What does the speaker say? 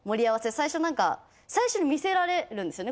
最初なんか最初に見せられるんですよね。